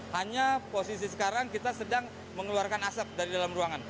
hanya posisi sekarang kita sedang mengeluarkan asap dari dalam ruangan